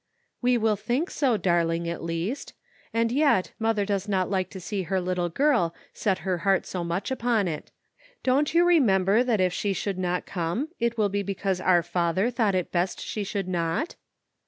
"We will think so, darling, at least. And yet, mother does not like to see her little girl set her heart so much upon it. Don't you re member that if she should not come it will be because our Father thought it best she should not?"